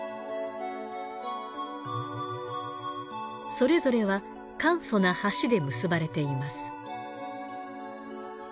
それぞれは簡素な橋で結ばれています。